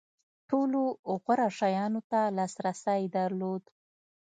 ټولو غوره شیانو ته لاسرسی درلود.